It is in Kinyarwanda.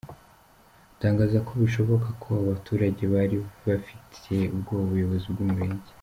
Atangaza ko bishoboka ko abo baturage bari bafitiye ubwoba ubuyobozi bw’umurenge.